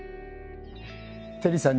テリーさん